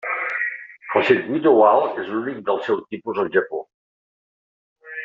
El circuit oval és l'únic del seu tipus al Japó.